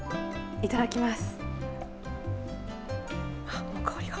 いただきます。